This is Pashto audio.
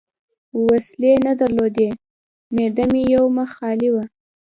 وسلې نه درلودې، معده مې یو مخ خالي وه.